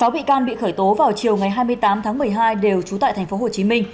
sáu bị can bị khởi tố vào chiều ngày hai mươi tám tháng một mươi hai đều trú tại tp hcm